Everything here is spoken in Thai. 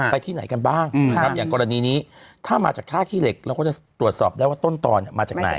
ที่ไหนกันบ้างนะครับอย่างกรณีนี้ถ้ามาจากท่าขี้เหล็กเราก็จะตรวจสอบได้ว่าต้นตอนมาจากไหน